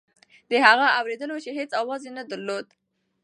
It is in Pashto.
دا هغه اورېدل وو چې هېڅ اواز یې نه درلود.